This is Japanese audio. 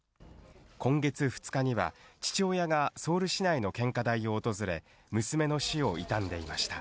今月２日には父親がソウル市内の献花台を訪れ、娘の死を悼んでいました。